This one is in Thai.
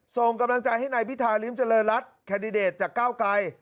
ส่งกำลังใจให้นายพิธาริมเจริญรัฐแคนดิเดตจากก้าวไกล